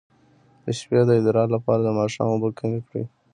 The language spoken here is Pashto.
د شپې د ادرار لپاره د ماښام اوبه کمې کړئ